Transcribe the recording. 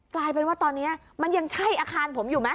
กลายเป็นว่าตอนนี้มันยังใช่อาคารผมอยู่ไหม